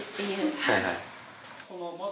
はいはい。